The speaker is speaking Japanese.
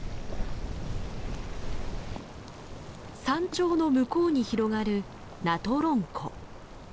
山頂の向こうに広がるナトロン湖。